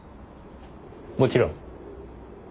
もちろん。